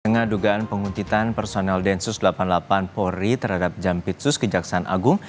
tengah dugaan penguntitan personel densus delapan puluh delapan polri terhadap jampitsus kejaksaan agung